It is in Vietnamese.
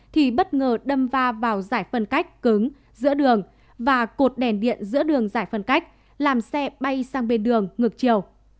thì bất ngờ đâm va vào giải phân cách cứng giữa đường và cột đèn điện giữa đường giải phân cách làm xe bay sang bên đường ngược chiều